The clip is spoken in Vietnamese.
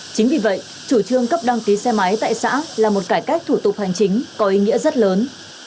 chính vì vậy chủ trương cấp đăng ký xe máy tại xã là một cải cách thủ tục hành chính có ý nghĩa rất lớn